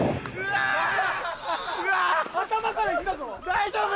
・大丈夫？